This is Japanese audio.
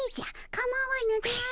かまわぬであろう。